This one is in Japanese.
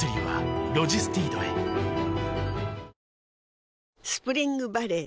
あスプリングバレー